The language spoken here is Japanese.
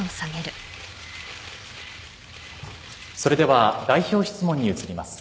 それでは代表質問に移ります。